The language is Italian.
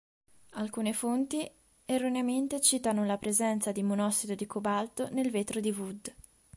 Alcune fonti erroneamente citano la presenza di monossido di Cobalto nel vetro di Wood.